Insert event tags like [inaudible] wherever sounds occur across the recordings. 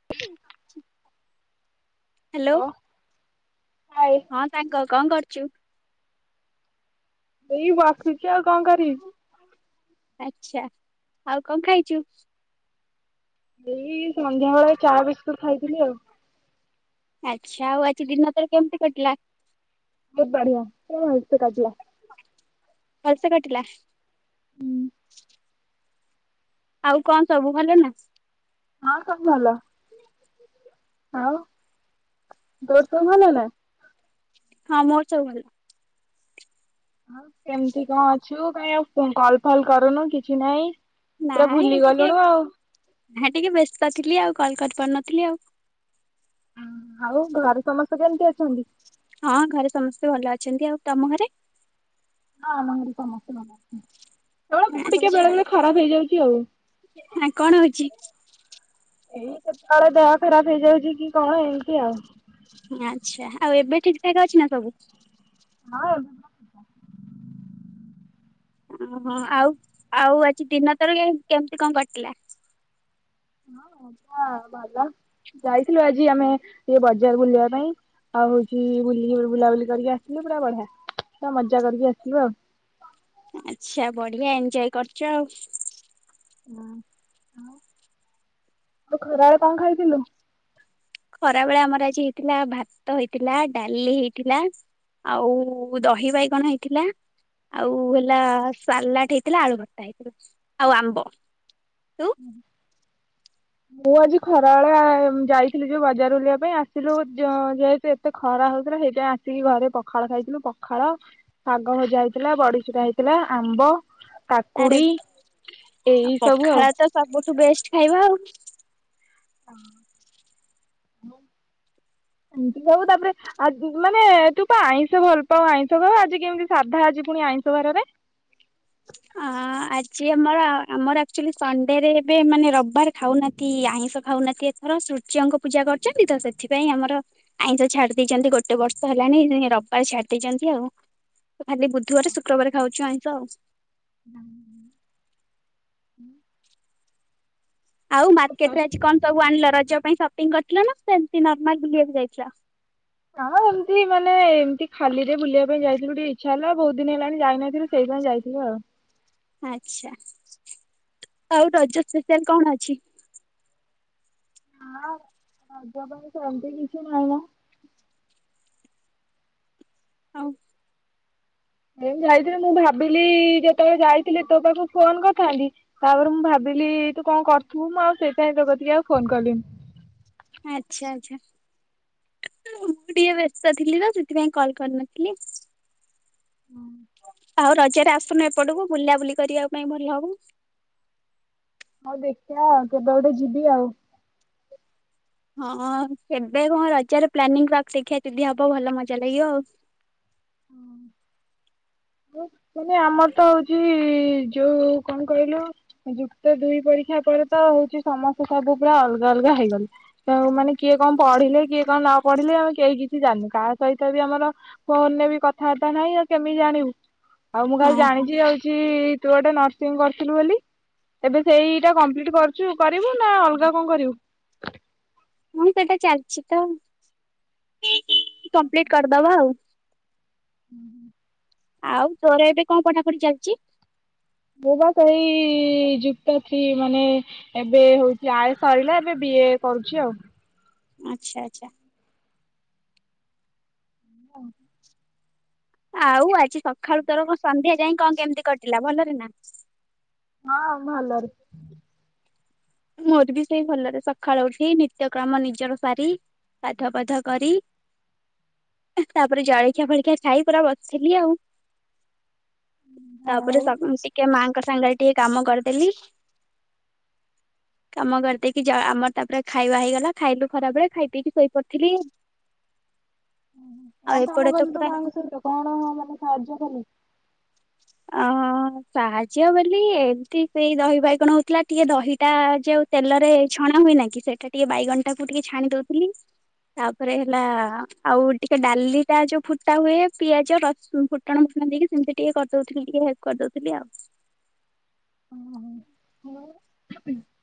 [inaudible] ଓ, ଆଏ ହଁ ସାଙ୍ଗ କଣ କରୁଚୁ? ଏଇ ବସିଛି ଆଉ, କଣ କରିବି? ଆଚ୍ଛା, ଆଉ କଣ ଖାଇଚୁ? ଏଇ ସନ୍ଧ୍ୟା ବେଳେ ଚା ବିସ୍କୁଟ୍ ଖାଇଥିଲି ଆଉ। ଆଚ୍ଛା ଆଉ ଆଜି ଦିନ ତୋର କେମିତି କଟିଲା? ବହୁତ ବଢିଆ, ପୁରା ଭଲସେ କଟିଲା। ଭଲସେ କଟିଲା। ହୁଁ। ଆଉ କଣ ସବୁ ଭଲ ନା? ହଁ ସବୁ ଭଲ, ଆଉ ତୋର ସବୁ ଭଲ ନା? ହଁ ମୋର ସବୁ ଭଲ। ଆଉ କେମିତି କଣ ଅଛୁ କାହିଁ ଆଉ ଫୋ-କଲ୍ ଫଲ୍ କରୁନୁ କିଛି ନାଇଁ? ପୁରା ନାଇଁ ଏଇ ଭୁଲି ଟିକେ ଗଲୁଣୁ ଆଉ। ନା ଟିକେ ବ୍ୟସ୍ତ ଥିଲି ଆଉ, କଲ୍ କରିପାରୁନଥିଲି ଆଉ। ଆଉ ଘରେ ସମସ୍ତେ କେମତି ଅଛନ୍ତି? ହଁ ଘରେ ସମସ୍ତେ ଭଲ ଅଛନ୍ତି ଆଉ। ତୋମ ଘରେ? ହଁ ଆମ ଘରେ ସମସ୍ତେ ଭଲ ଅଛନ୍ତି। ହଁ ମୁଁ ଟିକେ ଆଚ୍ଛା ବେଳେ ବେଳେ ଖରାପ ହେଇଯାଉଛି ଆଉ। ଆ, କଣ ହଉଛି ଏଇ କେତେବେଳେ ଦେହ ଖରାପ ହେଇଯାଉଛି କି କଣ ଏମିତି ଆଉ। ହଁ ଆଚ୍ଛା ଆଉ ଏବେ ଠିକ ଠୃକା ଅଛି ନା ସବୁ? ହଁ। ଅଁ, ହଁ ଆଉ ଆଉ ଆଜି ଦିନ ତୋର କେ-କେମତି କଣ କଟିଲା? ହଁ ଭଲ ଯାଇଥିଲୁ ଆଜି ଆମେ ଟିକେ ବଜାର ବୁଲିବା ପାଇଁ। ଆଉ ହଉଛି ବୁଲିି ବୁଲାବୁଲି କରିକି ଆସିଲୁ ପୁରା ବଢିଆ, ପୁରା ମଜା କରିକି ଆସିଲୁ ଆଉ। ଆଛା ବଢିଆ ଏଞ୍ଜୟ କରୁଛ ଆଉ ହଁ ଆଉ ଖରାବେଳେ କଣ ଖାଇଥିଲୁ? ଖରା ବେଳେ ଆମର ଆଜି ହେଇଥିଲା ଭାତ ହେଇଥିଲା ଡାଲି ହେଇଥିଲା ଆଉ ଦହିିବାଇଗଣ ହେଇଥିଲା ଆଉ ହେଲା ସାଲାଡ ହେଇଥିଲା ଆଳୁ ଭର୍ତା ହେଇଥିଲା ଆଉ ଆମ୍ବ ତୁ ହୁଁ। ମୁଁ ଆଜି ଖରା ବେଳେ ଯାଇଥିଲି ଯୋଉ ବଜାର ବୁଲିବା ପାଇଁ ଆସିଲୁ ଯେହେତୁ ଏତେ ଖରା ହଉଥିଲା ସେଇଥିପାଇଁ ଆସିକି ଘରେ ପଖାଳ ଖାଇଥିଲୁ ପଖାଳ ଶାଗ ଭଜା ହେଇଥିଲା ବଡିଚୁରା ହେଇଥିଲା ଆମ୍ବ ଆରେ କାକୁଡି ଏଇ ସବୁ ପଖାଳ ଆଉ ତ ସବୁଠୁ ବେଷ୍ଟ ଖାଇବା ଆଉ [inaudible] ଇନ୍ତି ସବୁ ତାପରେ ଆ ମାନେ ତୁ ପା ଆଇଁଷ ଭଲ ପାଉ ଆଇଁଷ ଘର ଆଜି କେମିତି ସାଧା ଆଜି ପୁଣି ଆଇଁଷ ବାରରେ? ଅ ଆଜି ଆମର ଆମର ଆକ୍ଚୁଆଲି ସଣ୍ଡେ ରେ ଏବେ ମାନେ ରବିବାର ଖାଉନାହାନ୍ତି ଆଇଁଷ ଖାଉନାହାନ୍ତି ଏଥର ସୂର୍ଯ୍ୟଙ୍କ ପୂଜା କରୁଛନ୍ତି ତ ସେଥିପାଇଁ ଆମର ଆଇଁଷ ଛାଡି ଦେଇେଇଛନ୍ତି ଗୋଟେ ବର୍ଷ ହେଲାଣି ରବିବାର ଛାଡି ଦେଇଛନ୍ତି ଆଉ ଖାଲି ବୁଧବାର ରେ ଶୁକ୍ରବାର ଖାଉଛୁ ଆଇଁଷ ଆଉ ହଁ [inaudible] ଆଉ ମାର୍କେଟ ରେ ଆଜି କଣ ସବୁ ଆଣିଲ ରଜ ପାଇଁ ସପିଙ୍ଗ କରିଥିଲ ନା ସେମିତି ନର୍ମାଲ ବୁଲିବାକୁ ଯାଇଥିଲା? ହଁ ଏମିତି ମାନେ ଏମିତି ଖାଲି ରେ ବୁଲିବା ପାଇଁ ଯାଇଥିଲୁ ଟିକେ ଇଚ୍ଛା ହେଲା ବହୁତ ଦିନ ହେଲାଣି ଯାଇନଥିଲୁ ସେଇପାଇ ଯାଇଥିଲି ଆଉ। ଆଛା ଆଉ ରଜ ସ୍ପେଶାଆଲ କଣ ଅଛି? ହଁ ରଜ ପାଇଁ ସେମିତି କିଛି ନାହିଁମ? ଆଉ? ଏ ଯାଇଥିଲ ମୁଁ ଭାବିଲି ଯେତେବେଳେ ଯାଇଥିଲି ତୋ ପାଖକୁ ଫୋନ କରିଥାନ୍ତି ତାପରେ ମୁଁ ଭାବିଲି ତୁ କଣ କରିଥିବୁ ମୁଁ ଆଉ ସେଇଥିପାଇ [inaudible] ଆଉ ଫୋନ କଲିନି। ଆଚ୍ଛା। ମୁଁ ଟିକେ ବ୍ୟସ୍ତ ଥିଲି ତ ସେଥିପାଇଁ କଲ କରିନଥିଲି। ଆଉ ରଜାରେ ଆସୁନ ଏପଟକୁ ବୁଲା ବୁଲି କରିବା ପାଇଁ ଭଲ ହବ? ହଁ ଦେଖିବା ଆଉ କେବେ ଗୋଟେ ଯିବି ଆଉ ହଁ ଏବେ କଣ ରଜାରେ ପ୍ଲାନିଂ ଶିଖିିବା ଦିଦି ହବ ଭଲ ମଜା ଲାଗିବ ଆଉ ହଁ କେ ଆମର ତ ହଉଛି ଯୋଉ କଣ କହିଲୁ ଯୁକ୍ତ ଦୁଇ ପରୀକ୍ଷା ପରେ ତ ହଉଛି ସମସ୍ତେ ସବୁ ପା ଅଲଗା ଅଲଗା ହେଇଗଲେ ମାନେ କିଏ କଣ ପଢିଲେ କିଏ କଣ ନ ପଢିଲେ ଆମେ କେହି କିଛି ଜାଣିନୁ କାହା ସହିତ ବି ଆମର ଫୋନ ରେ ବି କଥାବାର୍ତ୍ତା ନାହିଁ ଆଉ କେମିତି ଜାଣିବୁ ଆଉ ମୁଁ କାଲି ହଁ ହଁ ଜାଣିଛି ଯାଉଛି ତୁ ଗୋଟେ ନର୍ସିଂ କରିଥିଲୁ ବୋଲି ଏବେ ସେଇଟା କମ୍ପ୍ଲି କରି କରିବୁ ନା ଅଲଗା କଣ କରିବୁ ମୁଁ ସେଇଟା ଚାଲିଛି ତ କମ୍ପ୍ଲିଟ କରିଦବା ଆଉ ହୁଁୁଁ [inaudible] ଆଉ ତୋର ଏବେ କଣ ପଠା ପଢି ଚାଲିଛି ମୁଁ ବା ସେଇ ଯୁକ୍ତ ମାନେ ଏବେ ହଉଛି ଆୟ ସାରିଲା ଏବେ ବି ଏ କରୁଛି ଆଉ ଆଚ୍ଛା ଆଚ୍ଛା [unintelligible] ଆଉ ଆଜି ସକାଳୁ ତୋର ସନ୍ଧ୍ୟା ଯାଏଁ କଣ କେମିତି କଟିଲା ଭଲରେନା। ହଁ ଭଲରେ ମୋରବି ସେଇ ଭଲରେ ସକାଳୁ ଉଠି ନିତ୍ୟକ୍ରମ ନିଜର ସାରି ଗାଧୁଆ ପାଧୁଆ କରି। ତାପରେ ଜଳଖିଆ ଫଳଖିଆ ଖାଇ ପୁରା ବସିଥିଲି ଆଉ ଯାହା ତାପରେ ହଉ। ସ ଟିକେ ମାଙ୍କ ସାଙ୍ଗରେ ଟିକେ କାମ କରିଦେଲି କାମ କରିଦେଇକି ଯା ଆମର ତାପରେ ଖାଇବା ହେଇଗଲା ଖାଇଲୁ ଖରାବେଳେ ଖାଇ ପିଇକି ଶୋଇପଡିଥିଲି। [unintelligible] ଏପଟେ ତ ତୁ ପୁରା ମାଙ୍କ ସହିତ କଣ ମାନେ ସାହାଯ୍ୟ କଲୁ ଆଉ ଆଉ ହଁ ସାହାଯ୍ୟ ବୋଲି ଏମିତି ସେଇ ଦହି ବାଇ ଗଣ ହଉଥିଲା ଟିକେ ଦହିଟା ଯୋଉ ତେଲରେ ଛଣା ହୁଏନାକି ସେଇଟା ଟିକେ ବାଇଗଣିଟାକୁ ଟିକେ ଛାଣି ଦଉଥିଲି। ତାପରେ ହେଲା ଆଉ ଟିକେ ଡାଲିଟା ଯୋଉ ଫୁଟାହୁଏ ପିଆଜ ରସୁନ ଫୁଟ ଫୁଟଣ ମୁଟଣ ଦେଇକି ସେମିତି ଟିକେ କରିଦେଉଥିଲି ଟିକେ ହେଲ୍ପ କରିଦଉଥିଲି ଆଉ [unintelligible] ହାଲୋ। [unintelligible]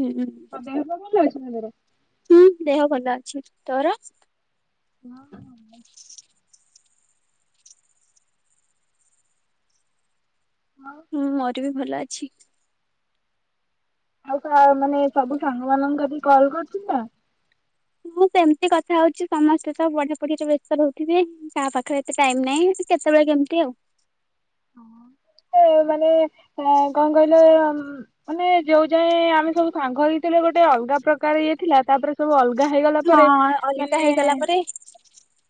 ହୁଁ ହୁଁ ଦେହ ପା ଭଲ ଅଛିନା ତୋର। ହୁଁ ଦେହ ଭଲ ଅଛି ତୋର [unintelligible] ଆଉ ହୁଁ ମରବି ଭଲ ଅଛି। ଆଉ ତା ମାନେ ସବୁ ସାଙ୍ଗ ମାନଙ୍କ କତିକି କଲ କରୁଛୁତ। ହଁ ସେମିତି କଥା ହଉଛି ସମସ୍ତେତ ପଢା ପଢିରେ ବ୍ୟସ୍ତ ରହୁଥିବେ। କାହା ପାଖରେ ଏତେ ଟାଇମ ନାହିଁ କେତେବେଳେ କେମିତି ଆଉ ହଁ। ଏଁ ମାନେ ଏଁ କଣ କହିଲ ଏଁ ଉୁଁ? ମାନେ ଯୋଉ ଯାଏଁ ଆମେସବୁ ସାଙ୍ଗ ହେଇଥିଲେ ଗୋଟେ ଅଲଗା ପ୍ରକାର ଇଏଥିଲା ତାପରେ ସବୁ ଅଲଗା ହେଇଗଲା ପରେ ହଁ ଅଲଗା ମାନେ ହେଇଗଲା ପରେ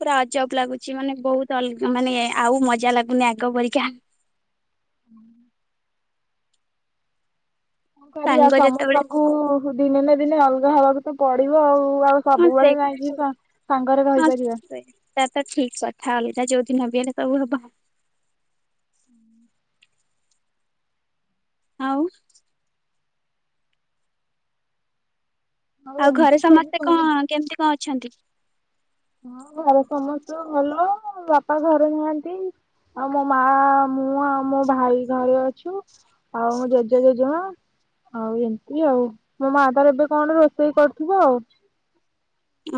ପୁରା ଅଜବ ଲାଗୁଛି ମାନେ ବହୁତ ଅଲଗା ମାନେ ଆଉ ମଜା ଲାଗୁନି ଆଗ ପରିକା [inaudible] କଣ କରିବା ସାଙ୍ଗ ଯେତେବେଳେ ସମସ୍ତଙ୍କୁ ଦିନେନା ଦିନେ ଅଲଗା ହବାକୁତ ପଡିବ ଆଉ ଆଉ ସମସ୍ତେ ସବୁବେଳେ ଯାଇକି ସଙ୍ଗ ସାଙ୍ଗରେ ରହିପାରିବା। ତାତ ଠିକ କଥା ଅଲଗା ଯୋଉଦିନବି ହେଲେ ସବୁ ହବ। ଆଉ ଆଉ ଘରେ ଏମିତି ସବୁ ସମସ୍ତେ କଲା କଣ କେମିତି କଁ ଅଛନ୍ତି। ହଁ ଘରେ ସମସ୍ତେ ଭଲ ବାପା ଘରେ ନାହାନ୍ତି। ଆଉ ମୋ ମା ମୁଁ ଆଉ ମୋ ଭାଇ ଘରେଅଛୁ ଆଉ ମୋ ଜେଜେ ଜେଜେମା। ଆଉ ଏମିତି ଆଉ ମୋ ମା ତାର ଏବେ କଣ ରୋଷେଇ କରିଥିବ ଆଉ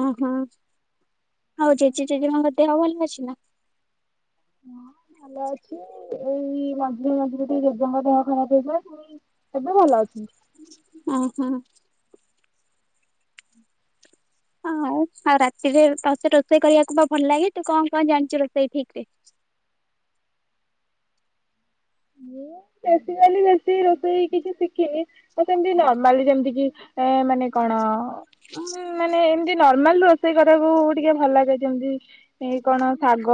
ଉୁଁ ହୁଁ ଆଉ ଜେଜେ ଜେଜମାଙ୍କ ଦେହ ଭଲ ଅଛିନା। ହଁ ଭଲଅଛି ଏଇ ମଝିରେ ମଝିରେ ଟିକେ ଜେଜଙ୍କ ଦେହ ଖରାପ ହେଇଥିଲା। ଏବେ ଭଲ ଅଛନ୍ତି। ଅଁ ହଁ ହଉ ଆଉ ରାତିରେ ତତେ ରୋଷେଇ କରିବାକୁ ଭଲ ଲାଗେ ତୁ କଣ କଣ ଜାଣିଛୁ ରୋଷେଇ ଠିକ ରେ? ବେଶୀ କାଲି ବେଶୀ ରୋଷେଇ କିଛି ଶିଖିନି। ତ ସେମତି ନର୍ମାଲି ଯେମିତି କି ମାନେ କଣ। ଉଁ ମାନେ ଏମିତି ନର୍ମାଲ ରୋଷେଇ କରିବାକୁ ଟିକେ ଭଲ ଲାଗେ ଯେମତି ଏଇ କଣ ଶାଗ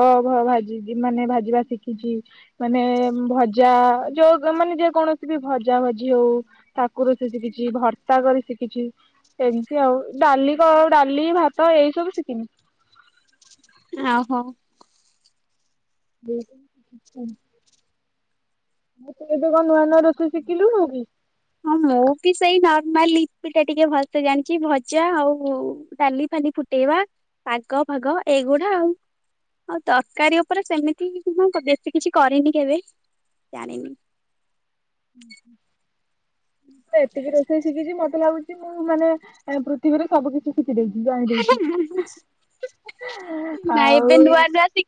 ଭାଜି ମାନେ ଭାଜିବା ଶିଖିଛି ମାନେ ଭ ଜା ଯୋଉ ମାନେ ଯେ କୌଣସି ବି ଭଜା ଭଜି ହଉ। ତାକୁ ରୋଷେଇ ଶିଖିଛି ଭର୍ତ୍ତା କରି ଶିଖିଛି। ଏମିତି ଆଉ ଡାଲି କ ଡାଲି ଭାତ ଏଇ ସବୁ ଶିଖିନି। ଆଉ ହଉ। [unintelligible] ମୁଁ ତୁ ଏଵେ କଣ ନୂଆ ନୂଆ ରୋଷେଇ ଶିଖିଲୁନୁ କି? ହଁ ମୁଁ ବି ସେଇ ନର୍ମାଲି ପିଟା ଟିକେ ଭଲସେ ଜାଣିଛି ଭଜା ଆଉ। ଡାଲି ଫାଲି ଫୁଟେଇବା ପାଗ ଫାଗ ଏଇଗୁଡା ଆଉ। ଆଉ ତରକାରୀ ଉପରେ ସେମିତି ବେଶୀ କିଛି କରିନି କେବେ ଜାଣିନି। [unintelligible] ଏତିକି ରୋଷେଇ ଶିଖିଛି ମତେ ଲାଗୁଛି ମୁଁ ମାନେ ପୃଥିବୀରେ ସବୁ କିଛି ଶିଖି ଦେଇଛି ଜାଣି ଦେଇଛି ଆଉ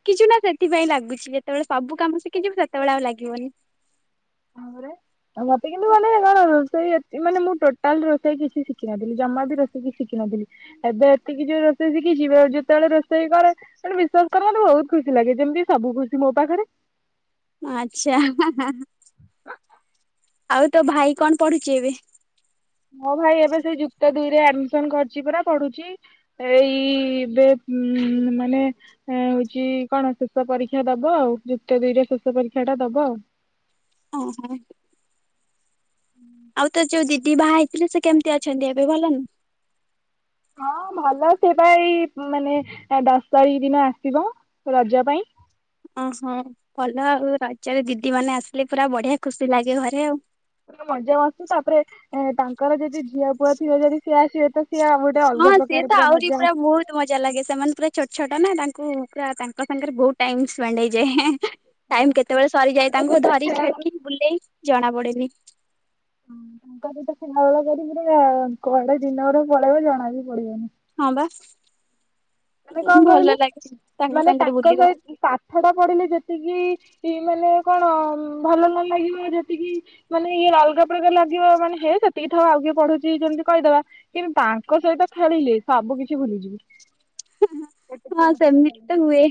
କିଛି ନା ସେଥିପାଇଁ ଲାଗୁଛି ଯେତେବେଳେ ସବୁ କାମ ଶିଖିଯିବୁ ସେତେବେଳେ ଆଉ ଲାଗିବନି। ଆପରେ ଉ ମତେ କିନ୍ତୁ ମାନେ କଣ ରୋଷେଇ ମାନେ ମୁଁ ଟୋଟାଲ ରୋଷେଇ କିଛି ଶିଖିିନଥିଲି ଜମା ବି ରୋଷେଇ କିଛି ଶିଖିିନଥିଲି। ଏବେ ଏତିକି ଯୋଉ ରୋଷେଇ ଶିଖିଚି ଯେତେବେଳେ ରୋଷେଇ କରେ ମାନେ ବିଶ୍ଵାସ କର ମତେ ବହୁତ ଖୁସି ଲାଗେ ଯେମିତି ସବୁ ଖୁସି ମୋ ପାଖରେ। ଆଚ୍ଛା। ଆଉ ତୋ ଭାଇ କଣ ପଢ଼ୁଛି ଏବେ? ମୋ ଭାଇ ଏବେ ସେଇ ଯୁକ୍ତ ଦୁଇରେ ଆଡ଼ମିସନ କରିଛି ପରା ପଢ଼ୁଛି। ଏଇ ବେ ମାନେ ଏ ହଉଛି କଣ ଶେଷ ପରୀକ୍ଷା ଦବ ଆଉ ଯୁକ୍ତ ଦୁଇରେ ଶେଷ ପରୀକ୍ଷା ଟା ଦବ ଆଉ। ହଁ ହଁ। ଆଉ ତୋ ଯୋଉ ଦିଦି ବାହା ହେଇଥିଲେ ସେ କେମିତି ଅଛନ୍ତି ଏବେ ଭଲନୁ? ହଁ ଭଲ ସେ ତ ଏଇ ମାନେ ଦଶ ତାରିଖ ଦିନ ଆସିବ ରଜ ପାଇଁ। ଓହୋ ଭଲ ଆଉ ରଜରେ ଦିଦି ମାନେ ଆସିଲେ ପୁରା ବଢ଼ିଆ ଖୁସି ଲାଗେ ଘରେ ଆଉ। ପୁର ମଜା ମସ୍ତି ତାପରେ ତାଙ୍କର ଯଦି ଝିଅ ପୁଅ ଥିଲେ ଯଦି ସିଏ ଆସିବେ ତ ସେ ଆଉ ଗୋଟେ ହଁ ଅଲଗା ସିଏ ପ୍ରକାର ପୁରା ଆହୁରି ମଜା ଆସି। ବହୁତ ତ ମଜା ଲାଗେ ସେମାନେ ପୁରା ଛୋଟ ଛୋଟ ନା ତାଙ୍କୁ ପୁରା ତାଙ୍କ ସାଙ୍ଗରେ ବହୁତ ଟାଇମ୍ ସ୍ପେଣ୍ଡ ହେଇଯାଏ। ଟାଇମ କେତେବେଳେ ସରିଯାଏ ତାଙ୍କୁ ଧରିିକି ଖେଳିକି ବୁଲେଇ ଜଣା ପଡ଼େନି। ହ ତାଙ୍କ ସହିତ ଖେଳାବେଳ କରି ପୁର କୁଆଡ଼େ ଦିନ ଗୁଡା ପଳେଇବ ଜଣା ବି ପଡି଼ବନି। ହଁ ବା। ମାନେ କଣ କହିଲୁ ଭଲ ଲାଗେ ମାନେ ସାଙ୍ଗରେ ତାଙ୍କ ସହିତ ପାକ ପାଠ ଟା ପଢ଼ିଲେ ଯେତିକି ମାନେ କଣ ଭଲ ନ ଲାଗିବ ଯେତିକି ମାନେ ଇଏ ଅଲଗା ପ୍ରକାର ଲାଗିବ ମାନେ ହେ ସେତିକି ଥଉ ଆଉ କିଏ ପଢ଼ୁଛି ଯେମିତି କହିଦବା କିନ୍ତୁ ତାଙ୍କ ସହିତ ଖେଳିଲେ ସବୁ କିଛି ଭୁଲିଯିବି। ହଁ ସେମିତ ହୁଏ।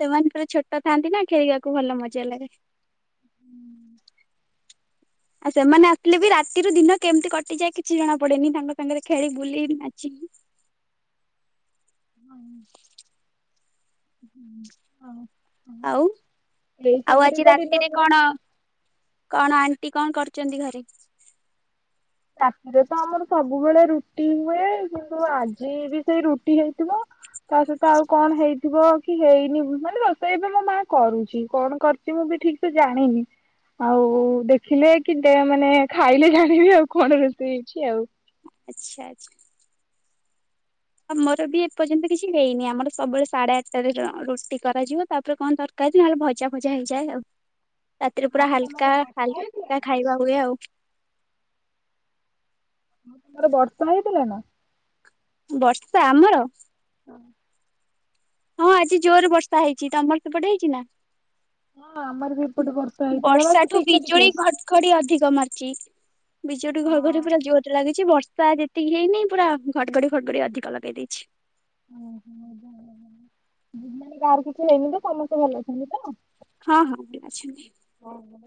ସେମାନେ ପୁରା ଛୋଟ ଥାଆନ୍ତି ନା ଖେଳିବାକୁ ଭଲ ମଜା ଲାଗେ। ହୁଁ। ଆଉ ସେମାନେ ଆସିଲେ ବି ରାତିରୁ ଦିନ କେମିତି କଟିଯାଏ କିଛି ଜଣା ପଡ଼େନି ତାଙ୍କ ସାଙ୍ଗରେ ଖେଳି ବୁଲି ନାଚିକି। ହଁ। ଆଉ, ଏଇ ଆଉ ସବୁରେ ଆଜି ତ ଦିନ ରାତିରେ ମୋର କଣ? କଣ ଆଣ୍ଟି କଣ କରୁଛନ୍ତି ଘରେ? ରାତିରେ ତ ଆମର ସବୁବେଳେ ରୁଟି ହୁଏ, କିନ୍ତୁ ଆଜି ବି ସେଇ ରୁଟି ହେଇଥିବ। ତା ସହିତ ଆଉ କଣ ହେଇଥିବ କି ହେଇନି ମାନେ ରୋଷେଇ ଏବେ ମୋ ମା କରୁଛି। କଣ କର ମୁଁ ବି ଠିକ୍ ସେ ଜାଣିନି। ଆଉ ଦେଖିଲେ କି ମାନେ ଖାଇଲେ ଜାଣିବି ଆଉ। କଣ ରୋଷେଇ ହେଇଛି ଆଉ। ଆଚ୍ଛା ଆଚ୍ଛା। ଆମର ବି ଏପର୍ଯ୍ୟନ୍ତ କିଛି ହେଇନି। ଆମର ସବୁବେଳେ ସାଢେ ଆଠଟାରେ ରୁଟି କରାଯିବ ତାପରେ କଣ ତର କାରୀ ନହେଲେ ଭଜା ଫଜା ହେଇଯାଏ ଆଉ। ରାତିରେ ପୁରା ଆଉ ତମର ହାଲକା ବର୍ଷା ହେଇଥିଲା ହାଲକା ନା ଖାଇବା ହୁଏ ଆଉ। ତାମର ବର୍ଷା ହେଇଥିଲାନା? ବର୍ଷା ଆମର। ହଁ ହଁ ଆଜି ଜୋରେ ବର୍ଷା ହେଇଛି। ତମର ସେପଟେ ହେଇଛି ନା? ହଁ ଆମର ବି ଏପଟେ ବର୍ଷ ବର୍ଷାଠୁ ବିଜୁଳି ଘଡ଼ ଖଡି଼ ଅଧିକ ମାରିଛି। ବିଜୁଳି ହଁ। ଘଡ଼ଘଡି ପୁରା ଜୋରେ ଲାଗିଛି ବର୍ଷା ଯେ ତିକି ହେଇନି ପୁରା ଘଡ଼ଗଡି଼ ଫଡ଼ଗଡି଼ ଅଧିକ ଲଗେଇ ଦେଇଛି। ଓହୋ ମାନେ ଗାଁରୁ କିଛି ନେଇନି ତ ସମସ୍ତେ ଭଲ ଅଛନ୍ତି ତ? ହଁ ହଁ, ଅଛନ୍ତି। ଓହୋ।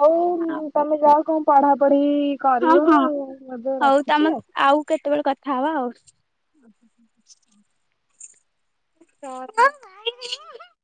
ହଉ ଆଉ ତମେ ଯାଅ କଣ ପଢ଼ାପଢି଼ ହଁ ହଁ, ହଉ ତମେ ଆଉ କେତେବେଳେ କଥା ହବା ଆଉ। ଆଚ୍ଛା [unintelligible]